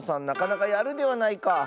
なかなかやるではないか。